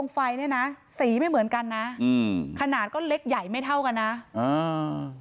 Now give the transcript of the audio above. ไฟเนี้ยนะสีไม่เหมือนกันนะอืมขนาดก็เล็กใหญ่ไม่เท่ากันนะอ่า